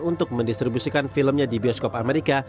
untuk mendistribusikan filmnya di bioskop amerika